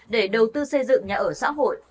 để đầu tư xây dựng nhà ở xã hội